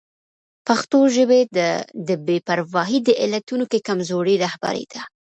پښتو ژبې ته د بې پرواهي د علتونو کې کمزوري رهبري ده.